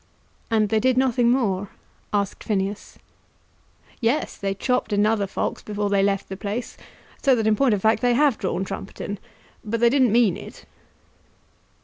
"And they did nothing more?" asked Phineas. "Yes; they chopped another fox before they left the place, so that in point of fact they have drawn Trumpeton. But they didn't mean it."